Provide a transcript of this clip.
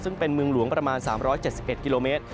ซึ่งเป็นเมืองหลวงประมาณ๓๗๑กิโลเมตร